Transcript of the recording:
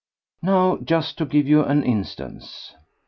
Now, just to give you an instance.